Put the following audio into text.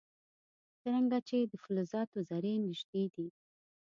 څرنګه چې د فلزاتو ذرې نژدې دي.